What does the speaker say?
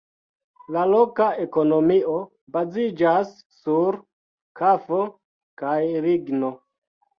La loka ekonomio baziĝas sur kafo kaj ligno.